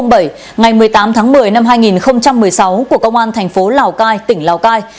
ngày một mươi tám tháng một mươi năm hai nghìn một mươi sáu của công an thành phố lào cai tỉnh lào cai